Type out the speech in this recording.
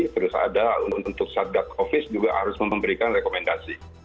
terus ada untuk satgat office juga harus memberikan rekomendasi